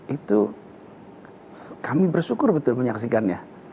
itu kami bersyukur betul menyaksikannya